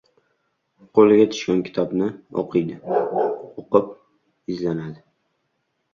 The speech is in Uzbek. Qo‘liga tushgan kitobni o‘qiydi, o‘qib, izlanadi.